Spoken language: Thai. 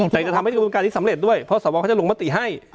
แต่จะทำให้กระบวนการนี้สำเร็จด้วยเพราะสวเขาจะลงมติให้